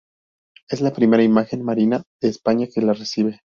Es la primera imagen mariana de España que la recibe.